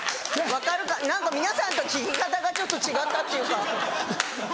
何か皆さんと聞き方がちょっと違ったっていうか。